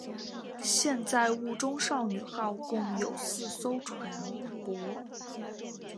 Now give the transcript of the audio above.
现在雾中少女号共有四艘船舶。